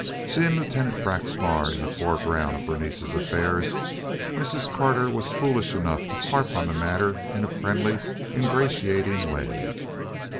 Seeing Lieutenant Braxmar in the foreground of Berenice's affairs, Mrs. Carter was foolish enough to harp on the matter in a friendly, ingratiating way.